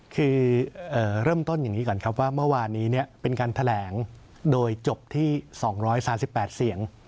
คือเริ่มต้นอย่างนี้ก่อนครับว่าเมื่อวานนี้เป็นการแถลงโดยจบที่๒๓๘เสียง